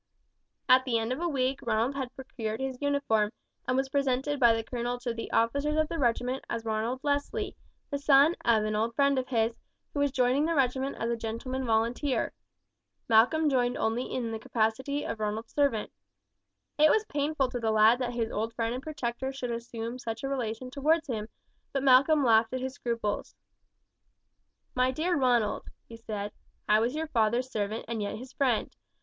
At the end of a week Ronald had procured his uniform, and was presented by the colonel to the officers of the regiment as Ronald Leslie, the son of an old friend of his, who was joining the regiment as a gentleman volunteer. Malcolm joined only in the capacity of Ronald's servant. It was painful to the lad that his old friend and protector should assume such a relation towards him, but Malcolm laughed at his scruples. "My dear Ronald," he said, "I was your father's servant, and yet his friend.